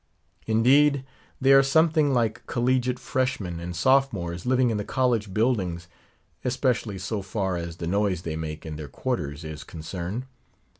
Indeed, they are something like collegiate freshmen and sophomores, living in the college buildings, especially so far as the noise they make in their quarters is concerned.